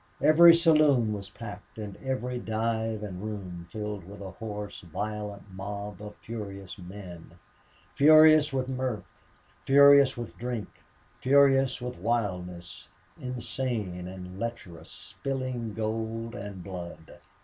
Every saloon was packed, and every dive and room filled with a hoarse, violent mob of furious men: furious with mirth, furious with drink, furious with wildness insane and lecherous, spilling gold and blood.